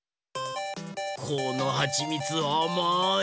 このはちみつあまい！